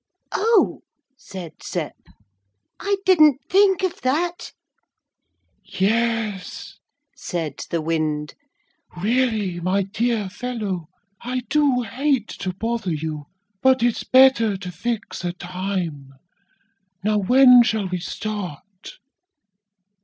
'Oh,' said Sep, 'I didn't think of that.' 'Yes,' said the wind, 'really, my dear fellow, I do hate to bother you, but it's better to fix a time. Now when shall we start?'